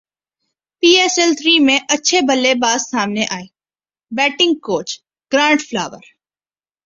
پی S L three میں اچھے بلے باز سامنے ائے بیٹنگ کوچ گرانٹ فلاور